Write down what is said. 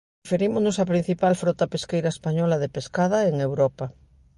Referímonos á principal frota pesqueira española de pescada en Europa.